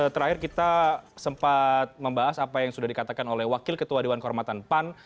terakhir kita sempat membahas apa yang sudah dikatakan oleh wakil ketua dewan kehormatan pan